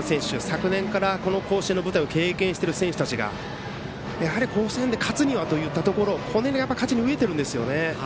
昨年から、この甲子園の舞台を経験している選手たちが甲子園で勝つにはといったところ勝ちに飢えてるんですよね。